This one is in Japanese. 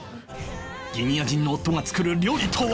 ギニア人の夫が作る料理とは？